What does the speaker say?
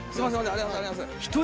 ありがとうございます。